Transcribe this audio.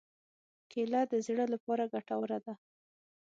کېله د زړه لپاره ګټوره ده.